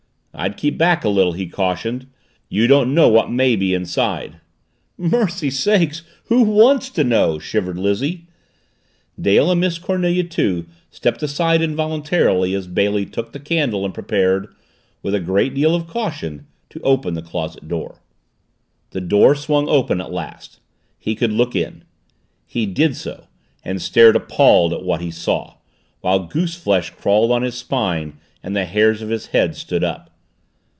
"I'd keep back a little," he cautioned. "You don't know what may be inside." "Mercy sakes, who wants to know?" shivered Lizzie. Dale and Miss Cornelia, too, stepped aside involuntarily as Bailey took the candle and prepared, with a good deal of caution, to open the closet door. The door swung open at last. He could look in. He did so and stared appalled at what he saw, while goose flesh crawled on his spine and the hairs of his head stood up.